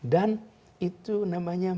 dan itu namanya